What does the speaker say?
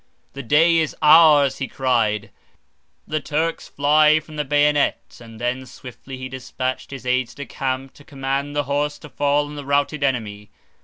"The day is ours," he cried, "the Turks fly from the bayonet." And then swiftly he dispatched his aides de camp to command the horse to fall on the routed enemy.